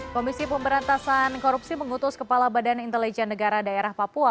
komisi pemberantasan korupsi mengutus kepala badan intelijen negara daerah papua